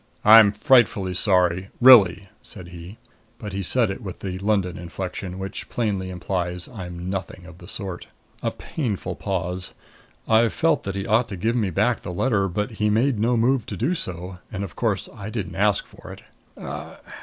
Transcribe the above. "I'm frightfully sorry really," said he. But he said it with the London inflection, which plainly implies: "I'm nothing of the sort." A painful pause. I felt that he ought to give me back the letter; but he made no move to do so. And, of course, I didn't ask for it.